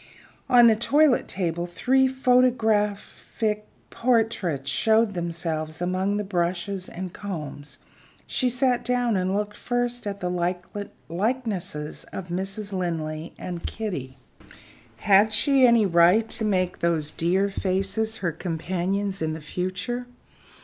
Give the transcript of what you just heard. On the toilet table three photographic portraits showed themselves among the brushes and combs. She sat down, and looked first at the likenesses of Mrs. Linley and Kitty. Had she any right to make those dear faces her companions in the future?